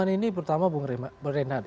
ini pertama bung reinhardt